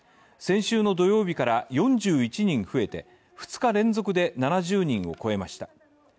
先週の土曜日から４１人増えて２日連続で７０人を超えました。